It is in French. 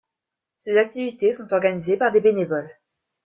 Ses activités sont organisées par des bénévoles.